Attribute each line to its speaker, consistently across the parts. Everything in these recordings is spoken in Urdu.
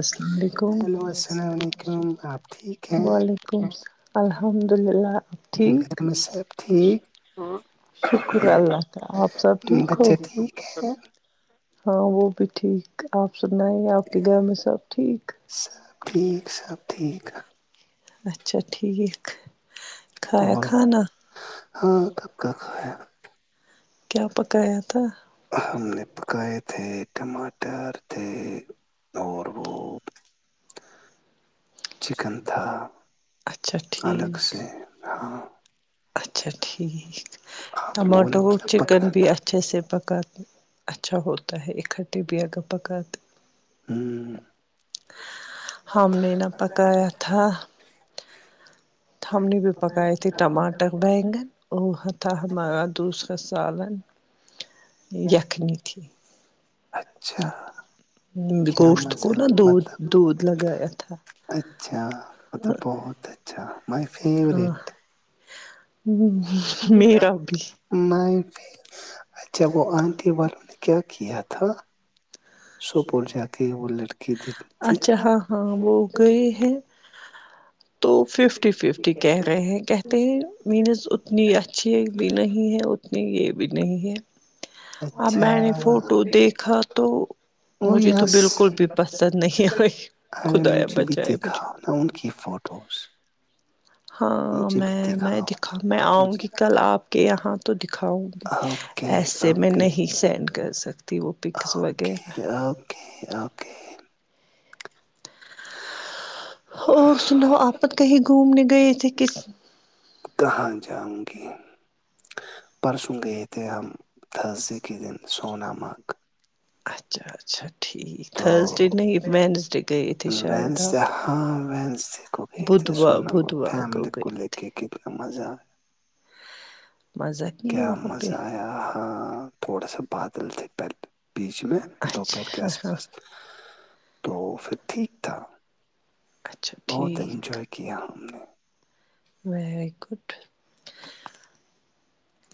Speaker 1: السلام علیکم وعلیکم الحمد للہلہ آب ٹھیک شکر اللہ آپ سب ٹھیک ہو ہاں وہ بھی ٹھیک آپ سننے
Speaker 2: سب ٹھیک سب ٹھیک
Speaker 1: اچھا ٹھیک کھایا کھانا
Speaker 2: ہاں کب کا کھایا
Speaker 1: کیا پکایا تھا
Speaker 2: ہم نے پکائے تھے ٹماٹر تھے اور وہ
Speaker 1: [inaudible]
Speaker 2: چکن تھا الگ سے ہاں
Speaker 1: اچھا ٹھیک ٹماٹو چکن بھی اچھے سے پکات اچھا ہوتا ہے اکٹھے بھی اگر پکا ہم نے نا پکایا تھا ہم نے بھی پکا تھ ٹماٹر بیینگن ا ہ تھا ہمارا دوسرا سالن [unintelligible]
Speaker 2: اچھا
Speaker 1: گوشت کو نا دودھ دودھ لگایا تھا
Speaker 2: اچھا مطلب بہت اچھا مائی فیوریٹ
Speaker 1: ہ میرا بھی
Speaker 2: نہیں اچھا وہ آنٹی بارو نے کیا کیا تھا [unintelligible]
Speaker 1: اچھا ہاں ہاں وہ گئے ہیں تو ففٹی ففٹی کہہ رہے ہیں کہتے ہیں مینز اتنی اچھی بھی نہیں ہے نہیں یہ بھی نہیں ہے اب میں نے فوٹو دیکھا تو مجھے تو بالکل بھی پسند نہیں آئی خدایا بچائے مجھے
Speaker 2: کوں کی فوٹوز
Speaker 1: ہاں میں میں دکھا میں آؤں گی کل آپ کے یہاں تو دکھاؤں گی ایسے میں نہیں سینڈ کر سکتی وہ پکس وغیرہ
Speaker 2: اوکے اوکے
Speaker 1: اور سناؤ آپت کہیں گھومنے گئے تھے کس
Speaker 2: کہاں جاؤں گی پرسوں گئے تھے ہم تھرزدے کے دن سونامگ
Speaker 1: اچھا اچھا ٹھیک ٹھرسدے نہی وینصدے
Speaker 2: وس ہاں وینسدے کو گئی تھے سونمارگ فیملی کو لے کے کتنا مزہ
Speaker 1: مذ
Speaker 2: کیا مزہ آیا ہ تھوڑا سا بادل تھے پل بی چ میں دوپہر کے آس پاس تو پھر ٹھیک تھا بہت انجوائے کیا کیا ہم نے
Speaker 1: ویری گڈ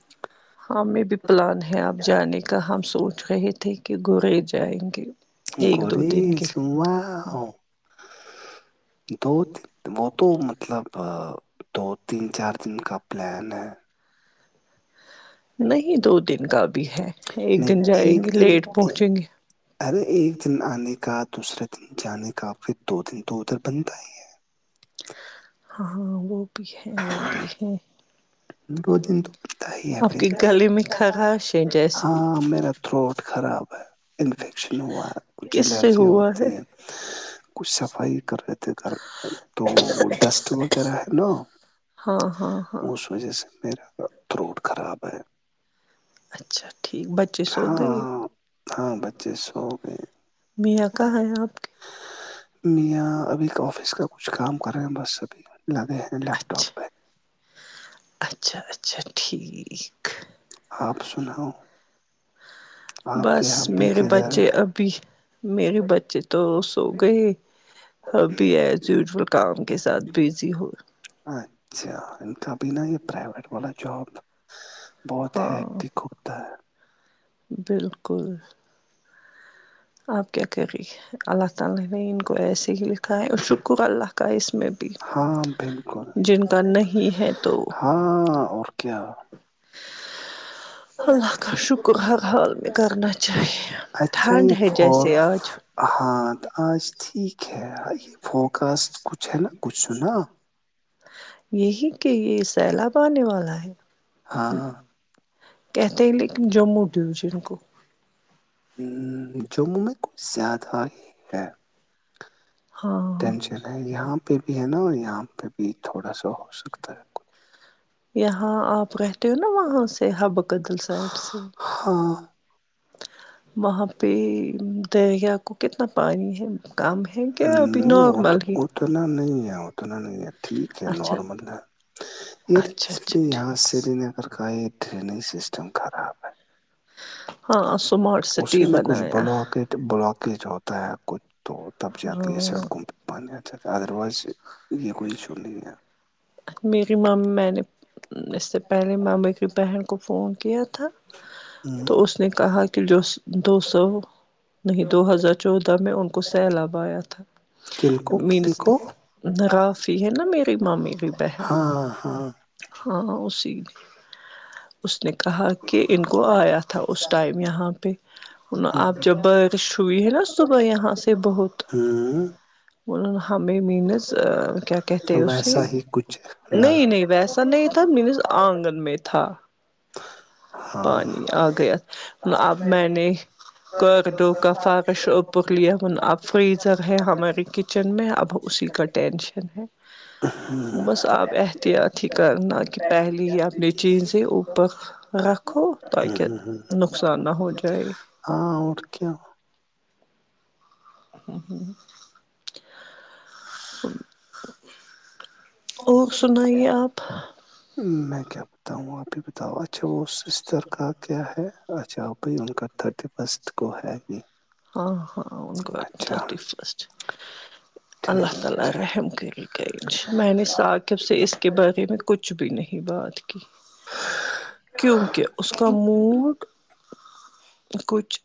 Speaker 2: [inaudible]
Speaker 1: ہاں م بھی پلان ہے آپ جانے کا ہم سوچ رہے تھے کہ گورئی جائیں گے
Speaker 2: گڑی سوما دو وہ تو مطلب دو تین چار دن کا پلان ہے
Speaker 1: نہیں دو دن کا بھی ہے ایک دن جائیں گی لیٹ پہنچیں گے
Speaker 2: ارے ایک دن آنے کا دوسرے دن جانے کا پھر دو دن تو ادھر بنتا ہی ہے
Speaker 1: ہاں وہ بھی ہیں وہ بھی ہیں
Speaker 2: دو دن تو بنتا ہی ہے پھر ہاں میں میرا تھروٹ خراب ہے انفیکشن ہوا ہے کچھ الرجی ہوتی ہے کچھ صفائی کر رہے تھ تو ڈسٹ وغیرہ ہے نا اس اس وجہ سے میرا روڈ خراب ہے ہاںاں ہاں بچے سو ہو گئے
Speaker 1: میاں کہاں ہے آپ کے
Speaker 2: میاں ابھی کا آفس کا کچھ کام کر رہے ہیں بسب لگے ہیں لیپٹاپ پہ
Speaker 1: اچھا اچھا ٹھیک
Speaker 2: آپ سنؤ
Speaker 1: بس میرے بچے ابھی میرے بچے تو اس ہو گئے اب بھی ایز یوزول کام کے ساتھ بزی ہو
Speaker 2: اچھا ان کا بھی نا یہ پرائیویٹ والا جاب بہت ہیٹک ہوتا ہے
Speaker 1: بالکل اپ کیا کر رہی ہیں اللہ تعالی نے ان کو ایسے ہی لکھا ہے اور شکر اللہ کا اس میں بھی جن کا نہیں ہے تو
Speaker 2: ہاں اور کیا
Speaker 1: اللہ کا شکر حر حال میں کرنا چاہیے ٹھنڈ ہے جیسے آج
Speaker 2: ہاں آج ٹھیک ہے یہ فوکس کچھ ہے نا کچھ سنا
Speaker 1: یہی کہ یہ سیلاب آنے والا ہے کہتے ہیں لیکن جموں ڈویژن کو
Speaker 2: جموں میں کچھ زیادہ ہی ہے ٹینشن ہے یہاں پہ بھی ہے نا یہاں پہ بھی تھوڑا سا ہو سکتا ہے کچھ
Speaker 1: یہاں آپ رہتے ہو نا وہاں سے ہب قدل سائڈ سے وہاں پہ دریا کو کتنا پانی ہے کام ہے
Speaker 2: نہیں اتنا نہیں ہے اتنا نہیں ہے ٹھیک ہے نارمل ہے یہ پ یہاں سری نگر کا یہ ڈرینیج سسٹم خراب ہے اسی میں کچھ بلا بلاکیج ہوتا ہے کچھ تو تب جا کے سڑکوں پہ پانی آ جاتتا ادروائز یہ کوئی ایشو نہیں ہے
Speaker 1: میری ممی میں نے اس سے پہلے می کی بہن کو فون کیا تھا تو اس نے کہا کہ جو دو سو نہیں دو ہزار چودہ میں ان کو سیلاب آیا تھا
Speaker 2: کن کو کن کو
Speaker 1: راف ہی ہے نا میری مامی کی بہن ہاں اسی اس نے کہا کہ ان کو آیا تھا اس ٹائم یہاں پہ اب جب بشئی ہے نا صبح یہاں سے بہت بول ن ہمیں مینز کیا کہتے ہیں اسے نہیں نہیں ویسا نہیں تھا م اس آنگن میں تھا
Speaker 2: [unintelligible]
Speaker 1: پانی آ گیا اب میں نے ڈو کا فش بک لیان اب فریزر ہے ہماری کچن میں اب ای ب ات پہلے ہی اپنے چین سے اوپر رکھ و تاکہ نقصان نہ ہو جائے
Speaker 2: ہاں اٹ کیا
Speaker 1: [unintelligible] اور سنائیے آپ
Speaker 2: میں کیا بتاؤں آپ ہی بتاؤ اچھا وہ سستر کا کیا ہے اچھا آپ بھئی ان کا تھرٹی فسٹ کو ہے ہی
Speaker 1: ہاں ہاں ان کو ب تھرٹی فسٹ اللہ تعالی رحم کر گ می نے ثقب سے ا اس کے بارے میں کچھ بھی نہیں بات کی کیونکہ اس کا موڈ کچھ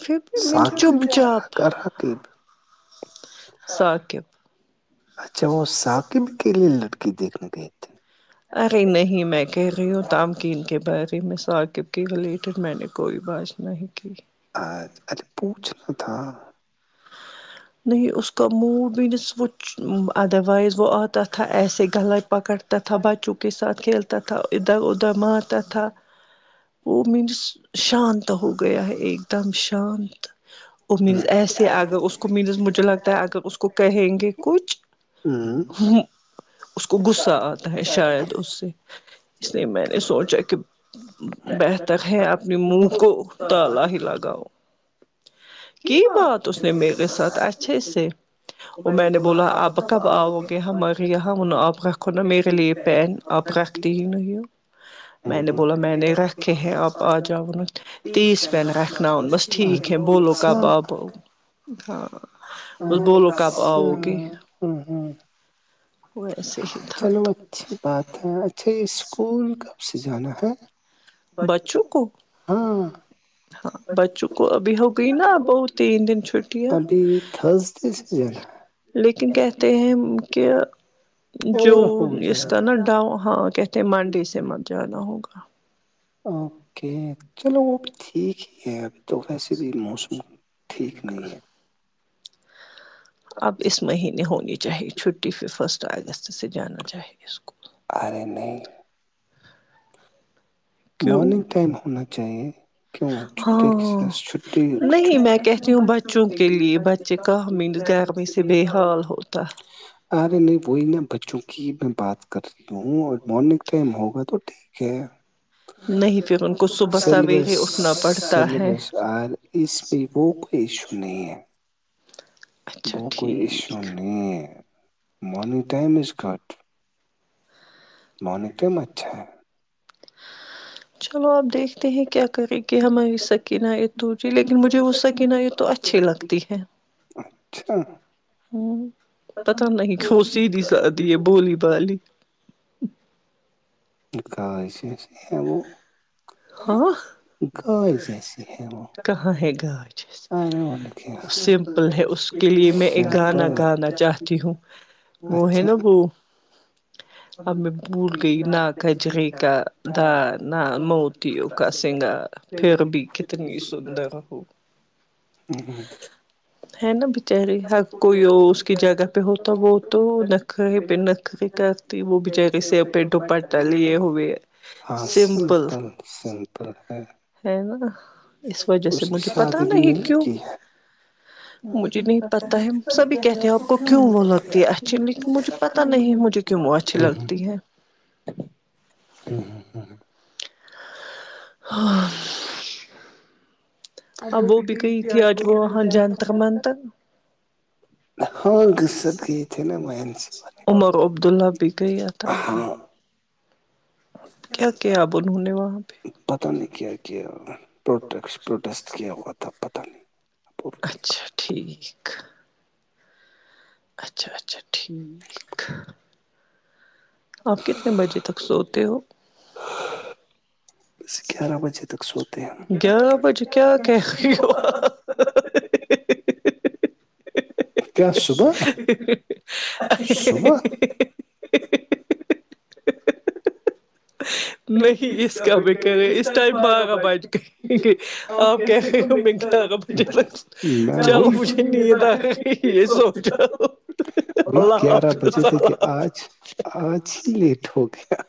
Speaker 1: پھر بھی م نے چپ چاپ
Speaker 2: تینپ
Speaker 1: ثاقب
Speaker 2: اچھا وہ ثاقب کے لیے لڑکی دیکھنے گ
Speaker 1: ارے نہیں میں کہہ رہی ہوں تامکین کے بارے میں ثاقب کے ریلیٹڈ میں نے کوئی بات نہیں تھی
Speaker 2: ارے پوچھنا تھا
Speaker 1: نہیں اس کا موڈ بھی نہیں ادروائز وہ آتا تھا ایسے گلائی پکڑتا تھا بچوں کے ساتھ کھیلتا تتا ادھر ادھر ماںتتا وہ مینس شانت ہو گیا ہے ایک دم شانت ا مینس ایسے اگر اس کو مینس مجھے لگتا ہے اگر اس کو کہیں گے کچھ ہ اس کو غصہ آتا ہے شاید اس سے اس نےے میں نے سوچا کہ بہتر ہے اپنے منہ کو تالا ہی لگاؤ کی بات اس نے میرے ساتھ اچھے سے وہ میں نے بولا اب کب آؤ گے ہمگرے یہاں انہوں آپ کہکھو نا میرے لیے پین آب کاختی ن ہی میں نے بولا میں نے رکھے ہیں آپ آ جاؤ تیس پین رکھنا ان بس ٹھیک ہے بولو کب آپ ہاں بس بولو کپ آؤو گ
Speaker 2: چلو اچھی بات ہے اچھا یہ اسکول کب سے جانا ہے ہوں ابھی تھر پانچتے سی جن
Speaker 1: لیکن کہتے ہیں کہ جو اس کا نا ڈاؤ ہاں کہتے ہیں منڈی سے مت جانا ہوگا
Speaker 2: اوکے چلو وہ بھی ٹھیک ہی ہے ابھی تو ویسے بھی موسم ٹھیک نہیں ہے
Speaker 1: اب اس مہینے ہونی چاہیے چھٹی پھر فسٹ اگست سے جانا چاہیے اس کو
Speaker 2: آ نہیں مارننگ ٹائم ہونا چاہیے کیوں چ ک چھٹی چ ارے نہیں وہی نہا بچوں جی میں بات کرتیوں اور مارننگ ٹائم ہوگا تو ٹھیک ہے سس سلیبس اور اس پ بک یہ ایشو نہیں ہے وہ کوئی ایشو نہیں منی ٹائم از کٹ
Speaker 1: چلو آپ دیکھتے ہیں کیا کہے کہ ہماری سکینیت توی لیکن مجھے وہ سکین یہ تو اچھی لگتی ہے
Speaker 2: [unintelligible]
Speaker 1: ہ پتا نہیں خوش ہی نہیں سی ہے بولی بالی
Speaker 2: گاج جس ہیو گاج جس ہمو
Speaker 1: کہاں ہے گاچس سمپل ہے اس کے لیے میں ایک گانا گانا چاہتی ہوں وہ ہیلو اب میں بھٹ گئی نہ کھجری کا دار نہ موتیوں کا سنگار پھر بھی کتنی ہے نا بچاری حق کوئی اس کی جگہ پہ ہوتا وہ تو نخ پہ نخے کا وہ بچے ک سے پہ ڈپٹ لیے ہوئے سمپل ہے نا [unintelligible] مجھے نہیں پتا ہے سبھی کہتے ہیں آپ کو کیوں وہ لگتی ہے اچھی لیکن مجھے پتا نہیں ہے مجھے کیوں وہ اچھی لگتی ہے
Speaker 2: ہوں ہاں ہاں ہاں
Speaker 1: ہاں اب وہ بھی گئی تھی آج وہ وہاں جانتر منتر عمر عبداللہ بھی گیا تھا کیا کیا اب انہوں نے وہاں پہ
Speaker 2: پتہ نہیں کیا کیا پروٹ پروٹیسٹ کیا ہوا تھا پتہ نہیں
Speaker 1: اچھا ٹھیک اچھا اچھا ٹھیک آپ کتنے بجے تک سوتے ہو گیا پچے کیا کہ ہو [unintelligible]
Speaker 2: کیا صبح صبح
Speaker 1: نہیں اس کا بک کہ رہے اس ٹائم میں آگا بٹ آپ کہ رہے ہوا چل پوچھھی نہیںد یہ سوچ اللہ حافظ
Speaker 2: آج آج ہی لیٹ ہو گیا